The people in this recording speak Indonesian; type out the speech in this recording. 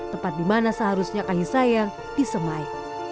tempat dimana seharusnya kahis saya disemai